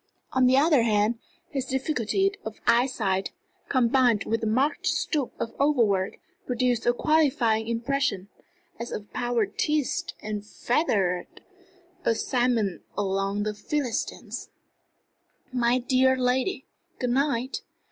On the other hand, his difficulty of eyesight, combined with the marked stoop of overwork, produced a qualifying impression as of power teased and fettered, a Samson among the Philistines. "My dear lady, good night.